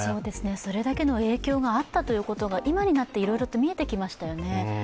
それだけの影響があったということが、今になっていろいろと見えてきましたよね。